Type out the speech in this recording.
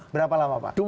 berapa lama pak